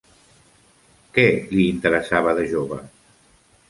Què li interessava de jove?